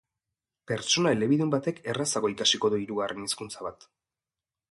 Pertsona elebidun batek errazago ikasiko du hirugarren hizkuntza bat.